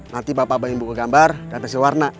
nanti bapak bawa ibu ke gambar dan kasih warna